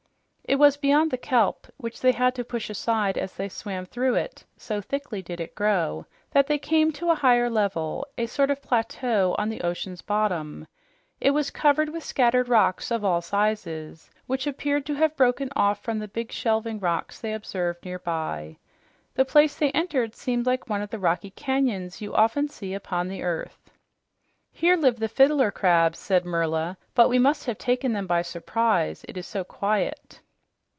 It was beyond the kelp which they had to push aside as they swam through, so thickly did it grow that they came to a higher level, a sort of plateau on the ocean's bottom. It was covered with scattered rocks of all sizes, which appeared to have broken off from big shelving rocks they observed nearby. The place they entered seemed like one of the rocky canyons you often see upon the earth. "Here live the fiddler crabs," said Merla, "but we must have taken them by surprise, it is so quiet."